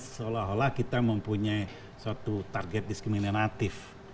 seolah olah kita mempunyai suatu target diskriminatif